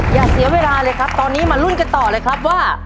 อย่าเสียเวลาเลยครับตอนนี้มาลุ้นกันต่อเลยครับว่า